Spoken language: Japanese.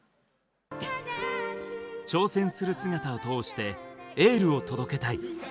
「挑戦する姿を通してエールを届けたい」。